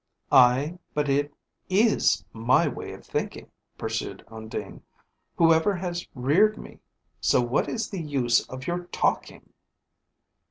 "Ay but it is my way of thinking," pursued Undine, "whoever has reared me, so what is the use of your talking?"